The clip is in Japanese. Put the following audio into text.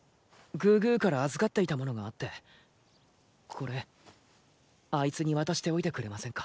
グーグーから預かっていたものがあってこれあいつに渡しておいてくれませんか？